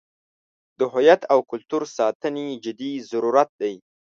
د هویت او کلتور ساتنې جدي ضرورت دی.